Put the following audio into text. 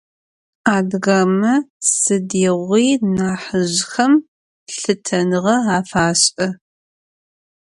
Адыгэмэ сыдигъуи нахьыжъхэм лъытэныгъэ афашӏы.